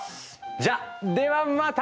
じゃあではまた！